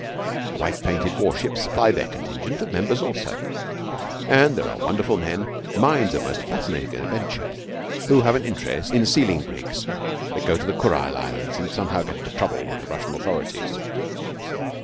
The white painted warships supply their contingent of members also, and there are wonderful men, mines of most fascinating adventure, who have an interest in sealing brigs that go to the Kurile Islands, and somehow get into trouble with the Russian authorities.